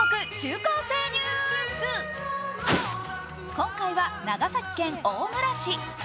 今回は長崎県大村市。